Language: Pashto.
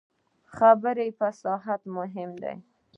د خبرو فصاحت مهم دی